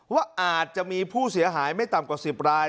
ว่าอาจจะมีผู้เสียหายไม่ต่ำกว่า๑๐ราย